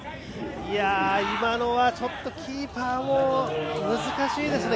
今のはちょっとキーパーも難しいですね。